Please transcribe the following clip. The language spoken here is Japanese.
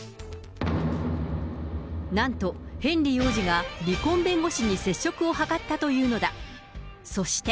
なんと、ヘンリー王子が離婚弁護士に接触を図ったというのだ。